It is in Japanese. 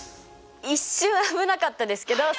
一瞬危なかったですけど正解です！